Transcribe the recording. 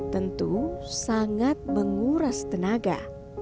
tentu sangat menguras tenaga